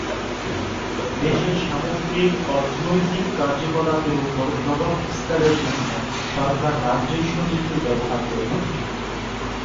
দেশের সামগ্রিক অর্থনৈতিক কার্যকলাপের উপর প্রভাব বিস্তারের জন্য সরকার রাজস্ব নীতির ব্যবহার করে থাকে।